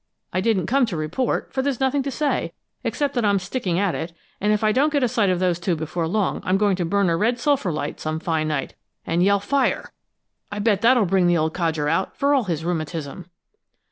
I didn't come to report, for there's nothing to say, except that I'm sticking at it, and if I don't get a sight of those two before long I'm going to burn a red sulphur light some fine night, and yell 'fire!' I bet that'll bring the old codger out, for all his rheumatism!"